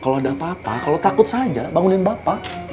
kalau ada apa apa kalau takut saja bangunin bapak